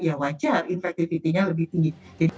ya wajar infektivitinya lebih tinggi